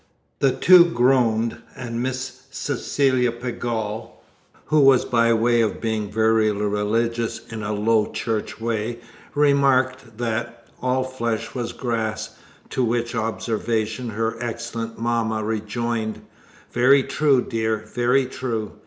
The two groaned, and Miss Cecilia Pegall, who was by way of being very religious in a Low Church way, remarked that "all flesh was grass," to which observation her excellent mamma rejoined: "Very true, dear, very true."